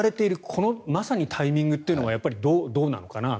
このまさにタイミングというのもどうなのかなと。